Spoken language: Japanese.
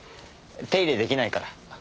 手入れ出来ないから。